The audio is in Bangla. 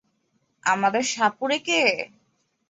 আমাদের সাপুড়েকে!